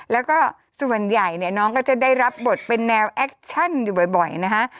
แล้วก็ส่วนใหญ่เนี่ยน้องก็จะได้รับบทเป็นแนวแอคชั่นอยู่บ่อยนะฮะ